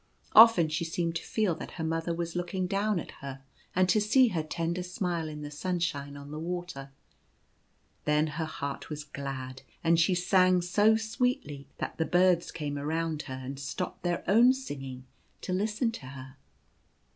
Often she seemed to feel that her mother was looking down at her, and to see her tender smile in the sunshine on the water ; then her heart Was glad, and she sang so sweetly that the birds came around her and stopped their own singing to listen to her.